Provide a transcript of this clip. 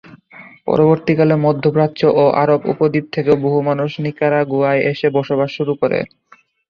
পরবর্তীকালে মধ্যপ্রাচ্য ও আরব উপদ্বীপ থেকেও বহু মানুষ নিকারাগুয়ায় এসে বসবাস শুরু করে।